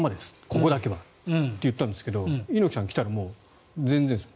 ここだけはと言ったんですけど猪木さんが来たら、全然です。